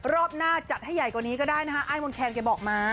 รอบหน้าจัดให้ใหญ่กว่านี้ก็ได้นะคะอ้ายมนแคนแกบอกมา